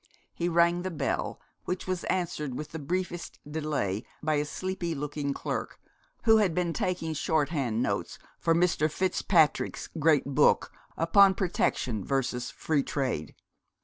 He rang the bell, which was answered with the briefest delay by a sleepy looking clerk, who had been taking shorthand notes for Mr. Fitzpatrick's great book upon 'Protection versus Free Trade.'